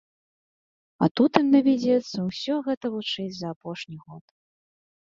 А тут ім давядзецца ўсё гэта вучыць за апошні год.